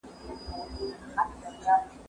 که وخت وي، مينه څرګندوم؟